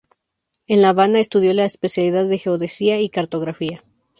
En La Habana estudió la especialidad de Geodesia y Cartografía.